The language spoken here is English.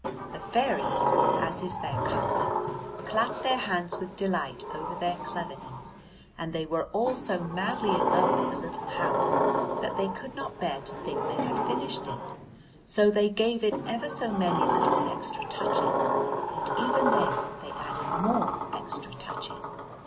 The fairies, as is their custom, clapped their hands with delight over their cleverness, and they were all so madly in love with the little house that they could not bear to think they had finished it. So they gave it ever so many little extra touches, and even then they added more extra touches.